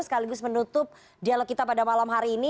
sekaligus menutup dialog kita pada malam hari ini